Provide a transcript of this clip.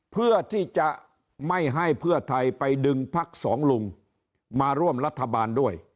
เพื่อที่จะไม่ให้เพื่อไทยไปดึงพักสองลุงมาร่วมรัฐบาลด้วย